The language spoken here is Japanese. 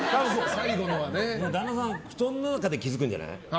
旦那さん、布団の中で気づくんじゃない？